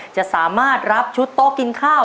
จะสามารถรับชุดโต๊ะกินข้าว